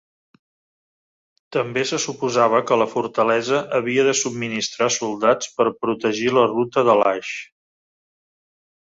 També se suposava que la fortalesa havia de subministrar soldats per protegir la ruta de l'hajj.